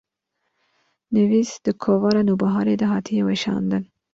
nivîs di kovara Nûbiharê de hatiye weşandin